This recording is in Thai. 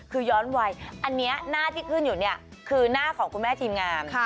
คือย้อนวัยอันนี้หน้าที่ขึ้นอยู่เนี่ยคือหน้าของคุณแม่ทีมงาน